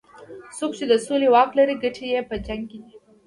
څوک چې د سولې واک لري ګټې یې په جنګ کې دي.